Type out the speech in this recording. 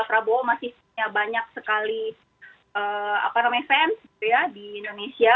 prabowo masih punya banyak sekali fans di indonesia